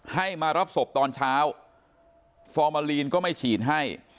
ให้มารับศพตอนเช้าฟอร์มาลีนก็ไม่ฉีดให้